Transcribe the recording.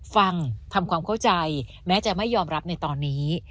ฟังทำความเข้าใจแม้จะไม่ยอมรับในตอนนี้